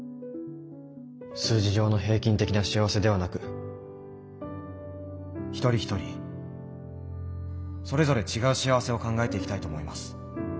数字上の平均的な幸せではなく一人一人それぞれ違う幸せを考えていきたいと思います。